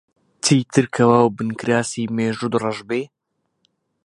چیتر کەوا و بنکراسی مێژووت ڕەش بێ؟